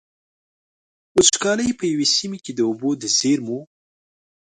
وچکالي په يوې سيمې کې د اوبو د زېرمو.